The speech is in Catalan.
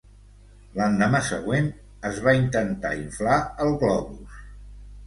L'endemà següent, es va intentar inflar el globus.